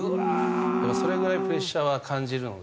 やっぱりそれぐらいプレッシャーは感じるので。